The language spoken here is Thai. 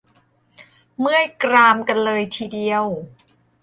เมื่อยกรามกันเลยทีเดียว !